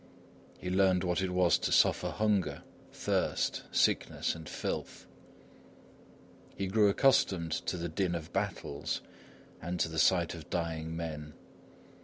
He learned what it was to suffer hunger, thirst, sickness and filth. He grew accustomed to the din of battles and to the sight of dying men.